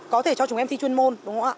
có thể cho chúng em thi chuyên môn